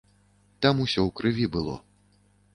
Там усё ў крыві было.